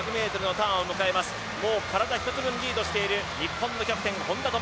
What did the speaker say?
もう体１つ分リードしている日本のキャプテン、本多灯。